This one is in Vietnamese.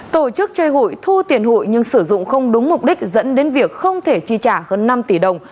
tổ chức chơi hụi thu tiền hụi nhưng sử dụng không đúng mục đích dẫn đến việc không thể chi trả hơn năm tỷ đồng